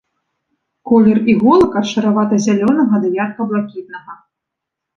Колер іголак ад шаравата-зялёнага да ярка блакітнага.